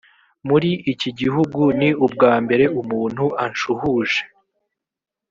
muri iki gihugu ni ubwa mbere umuntu anshuhuje.